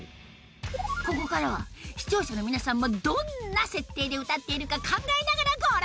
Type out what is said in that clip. ここからは視聴者の皆さんもどんな設定で歌っているか考えながらご覧ください！